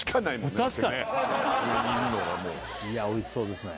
いやおいしそうですね